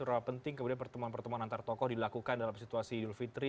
surah penting kemudian pertemuan pertemuan antar tokoh dilakukan dalam situasi yulfitri